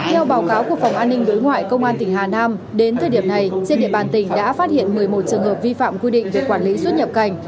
theo báo cáo của phòng an ninh đối ngoại công an tỉnh hà nam đến thời điểm này trên địa bàn tỉnh đã phát hiện một mươi một trường hợp vi phạm quy định về quản lý xuất nhập cảnh